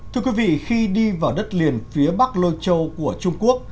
thưa quý vị khi đi vào đất liền phía bắc lôi châu của trung quốc